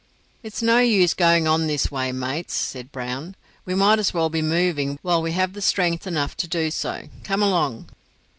"It's no use going on this way, mates," said Brown. "We might as well be moving while we have strength enough to do so. Come along."